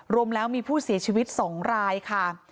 รวมแล้วมีผู้เสียชีวิต๒รายค่ะ